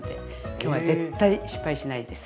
今日は絶対失敗しないです。